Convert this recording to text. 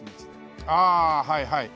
ああはいはい。